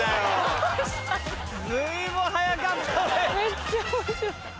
随分速かったね。